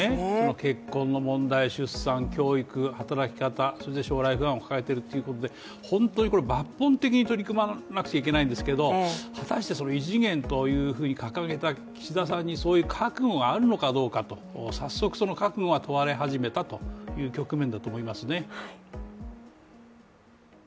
結婚、出産、教育、働き方、将来不安を抱えているということで、本当に抜本的に取り組まなくちゃいけないんですけど、果たして異次元という掲げた岸田さんにそういう覚悟があるのかという早速、その覚悟が問われ始めたという局面だと思いますね。